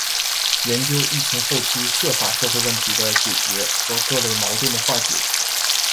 研究疫情后期涉法社会问题的解决和各类矛盾的化解